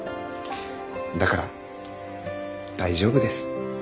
だから大丈夫です。